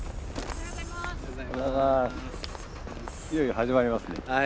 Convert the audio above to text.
いよいよ始まりますね。